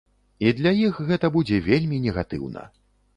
І для іх гэта будзе вельмі негатыўна.